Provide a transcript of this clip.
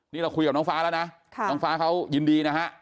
นี่เราคุยกับน้องฟ้าแล้วนะน้องฟ้าเขายินดีนะฮะ